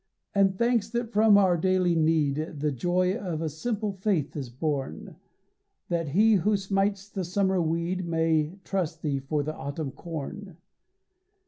And thanks that from our daily need The joy of a simple faith is born. That he who smites the summer weed May trust thee for the autumn corn.